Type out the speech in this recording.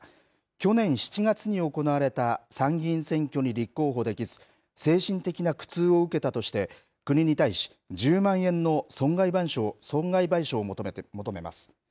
去年７月に行われた参議院選挙に立候補できず、精神的な苦痛を受けたとして、国に対し１０万円の損害賠償を求めます。